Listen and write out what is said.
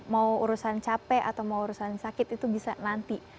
mau urusan capek atau mau urusan sakit itu bisa nanti